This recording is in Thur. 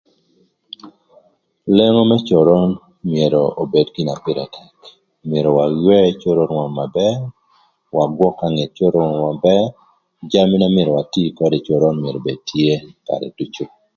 Lengo më coron myero obed gin na pïrë tëk, myero waywë coron obed na bër, wagwök nge coron na bër, jami na myero atii ködë ï coron myero obed tye karë ducu.